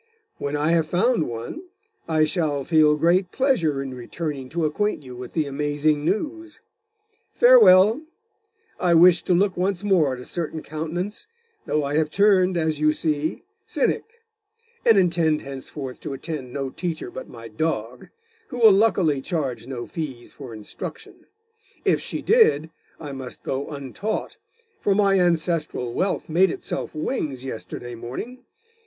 When I have found one, I shall feel great pleasure in returning to acquaint you with the amazing news. Farewell! I wished to look once more at a certain countenance, though I have turned, as you see, Cynic; and intend henceforth to attend no teacher but my dog, who will luckily charge no fees for instruction; if she did, I must go untaught, for my ancestral wealth made itself wings yesterday morning.